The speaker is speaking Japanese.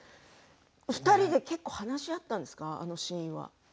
２人で結構話し合ったんですかあのシーンは。